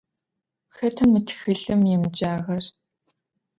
Xeta mı txılhım yêmıcağer?